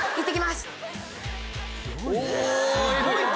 すごいね。